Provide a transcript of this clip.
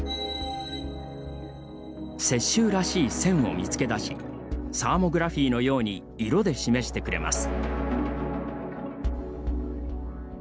雪舟らしい線を見つけだしサーモグラフィのように色で示してくれます。